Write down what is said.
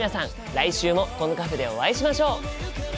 来週もこのカフェでお会いしましょう！